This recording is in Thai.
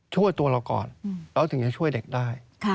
ตัวเราก่อนเราถึงจะช่วยเด็กได้